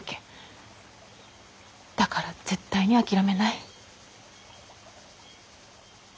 だから絶対に諦めない。